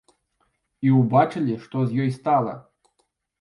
І ўбачылі, што з ёй стала.